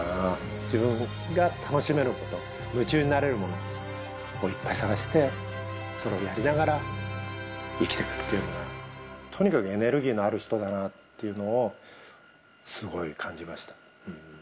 自分が楽しめること、夢中になれるものをいっぱい探して、それをやりながら生きていくっていうのが、とにかくエネルギーのある人だなっていうのを、すごい感じました。